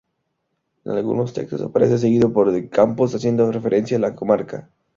En algunos textos aparece seguido por "de Campos" haciendo referencia a la comarca.